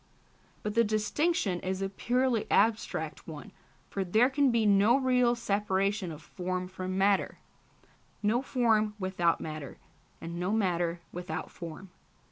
But this distinction is a purely abstract one, for there can be no real separation of form from matter, no form without matter, and no matter without form.